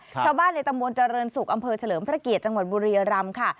ชาวบ้านในตำบลเจริญศุกร์อำเภอเฉลิมพระเกียรติจังหวัดบุรียรำค่ะ